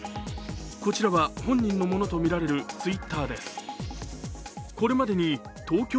こちらは本人のものとみられるＴｗｉｔｔｅｒです。